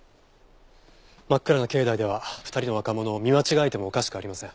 真っ暗な境内では２人の若者を見間違えてもおかしくありません。